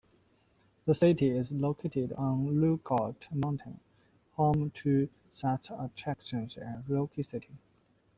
The city is located on Lookout Mountain, home to such attractions as Rock City.